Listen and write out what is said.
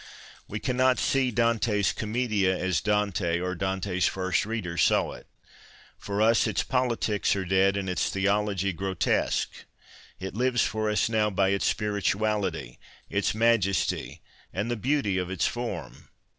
'' We cannot see Dante's Cummedia as Dante or Dante's first readers saw it. For us its politics are dead and its theology grotesque ; it lives for us now by its spirituality, its majesty, and the beauty of its form.